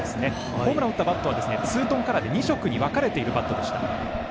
ホームランのバットはツートーンカラーで２色に分かれているバットでした。